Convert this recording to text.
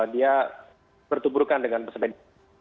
dia bertuburkan dengan pesepeda